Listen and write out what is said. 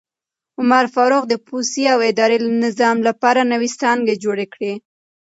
عمر فاروق د پوځي او اداري نظام لپاره نوې څانګې جوړې کړې.